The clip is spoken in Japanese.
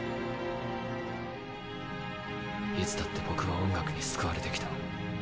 いつだって僕は音楽に救われてきた。